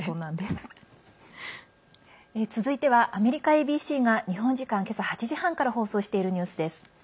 続いてはアメリカＡＢＣが日本時間今朝８時半から放送しているニュースです。